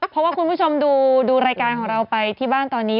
เพราะว่าคุณผู้ชมดูรายการของเราไปที่บ้านตอนนี้